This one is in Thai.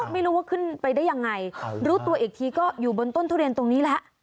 ไม่รู้ว่าขึ้นไปได้ยังไงรู้ตัวอีกทีก็อยู่บนต้นทุเรียนตรงนี้แล้ว